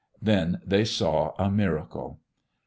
Then they saw a miracle.